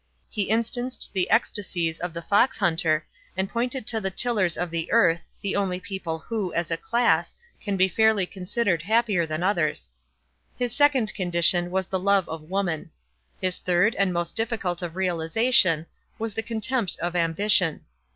He instanced the ecstasies of the fox hunter, and pointed to the tillers of the earth, the only people who, as a class, can be fairly considered happier than others. His second condition was the love of woman. His third, and most difficult of realization, was the contempt of ambition.